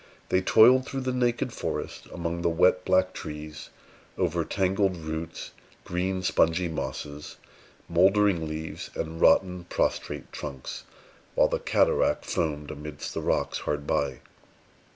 They toiled through the naked forest, among the wet, black trees, over tangled roots, green, spongy mosses, mouldering leaves, and rotten, prostrate trunks, while the cataract foamed amidst the rocks hard by.